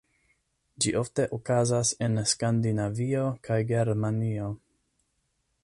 Ĝi ofte okazas en Skandinavio kaj Germanio.